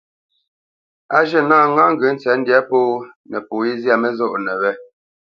Á zhə̂ nâ ŋá ŋgyə̌ tsə̌tndyǎ pó nəpo yé zyâ mənɔ́nə wé.